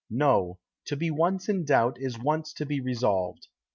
No; to be once in doubt is once to be resolved....